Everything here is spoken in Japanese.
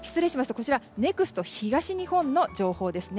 こちらＮＥＸＣＯ東日本の情報ですね。